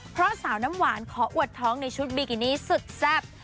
เพราะสาวน้ำหวานขออวดท้องในชุดบิกินี่สุดแซ่บ